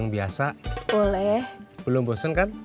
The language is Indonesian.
belum bosen kan